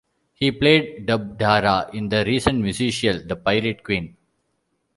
He played Dubhdara in the recent musical The Pirate Queen.